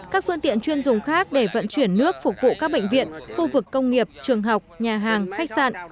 các phương tiện chuyên dùng khác để vận chuyển nước phục vụ các bệnh viện khu vực công nghiệp trường học nhà hàng khách sạn